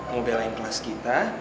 mau belain kelas kita